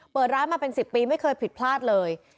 เปิดร้านมาเป็น๑๐ปีไม่เคยผิดพลาดเลย